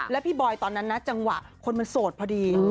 แล้วพี่บอยตอนนั้นนะจังหวะคนมันโสดพอดี